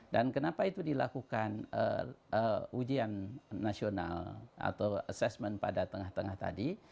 dan kenapa itu dilakukan ujian nasional atau assessment pada tengah tengah tadi